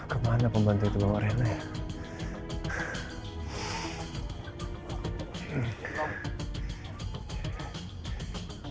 kemana pembantu bawah renang